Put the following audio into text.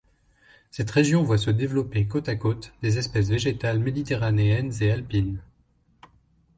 Cette région voit se développer côte à côte des espèces végétales méditerranéennes et alpines.